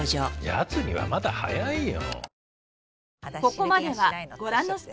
やつにはまだ早いよ。